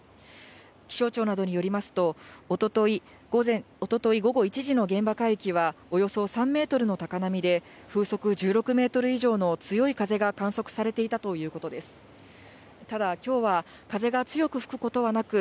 気象庁などによりますと、おととい午後１時の現場海域はおよそ３メートルの高波で、風速１６メートル以上の強い風が観測されていたということです。